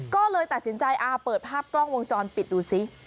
ก็เลยตัดสินใจเปิดภาพกล้องวงจรปิดดูซิ